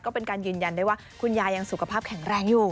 ก็เป็นการยืนยันได้ว่าคุณยายยังสุขภาพแข็งแรงอยู่